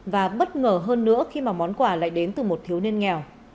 và bất ngờ hơn nữa khi mà món quà lại đến từ một thiếu niên nghèo